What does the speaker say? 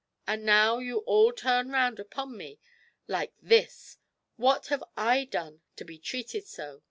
And now you all turn round upon me like this! What have I done to be treated so?